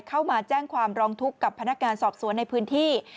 เข้ามาแจ้งความร้องทุกข์กับพนักงานสอบสวนในพื้นที่